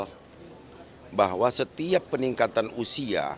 saya ingin mengatakan bahwa setiap peningkatan usia